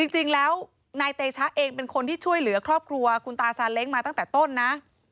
จริงแล้วนายเตชะเองเป็นคนที่ช่วยเหลือครอบครัวคุณตาซาเล้งมาตั้งแต่ต้นนะ